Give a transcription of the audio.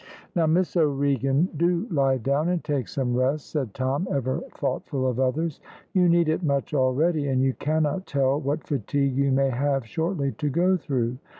"Now, Miss O'Regan, do lie down and take some rest," said Tom, ever thoughtful of others. "You need it much already, and you cannot tell what fatigue you may have shortly to go through.